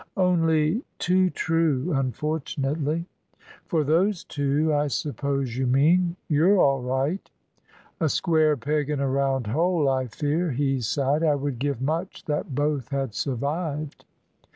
"Only too true, unfortunately." "For those two, I suppose you mean. You're all right." "A square peg in a round hole, I fear," he sighed. "I would give much that both had survived."